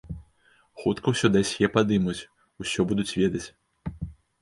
Хутка ўсё дасье падымуць, усё будуць ведаць.